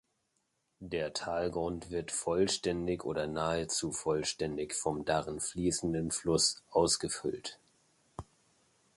Der Talgrund wird vollständig oder nahezu vollständig vom darin fließenden Fluss ausgefüllt.